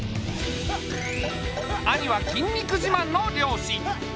兄は筋肉じまんの漁師。